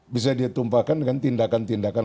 bisa dia tumpahkan dengan tindakan tindakan